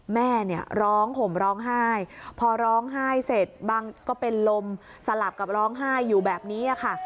แม่เนี่ยร้องห่มร้องไห้พอร้องไห้เสร็จบางก็เป็นลมสลับกับร้องไห้อยู่แบบนี้ค่ะ